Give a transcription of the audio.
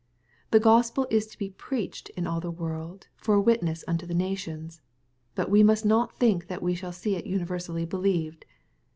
/^" The Gospel is to be preached in all the world for a witness unto all nations^ l^ut we must n ot think that we shall see it universally believed.